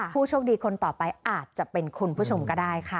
ผู้โชคดีคนต่อไปอาจจะเป็นคุณผู้ชมก็ได้ค่ะ